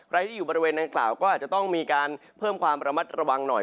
ใครที่อยู่บริเวณนางกล่าวก็อาจจะต้องมีการเพิ่มความระมัดระวังหน่อย